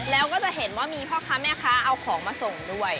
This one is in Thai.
แล้วก็จะเห็นว่ามีพ่อค้าแม่ค้าเอาของมาส่งด้วย